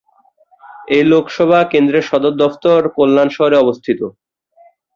এই লোকসভা কেন্দ্রের সদর দফতর কল্যাণ শহরে অবস্থিত।